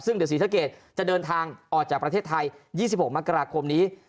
ซึ่งเดี๋ยวศรีสะเกดจะเดินทางออกจากประเทศไทย๒๖มกราคมนี้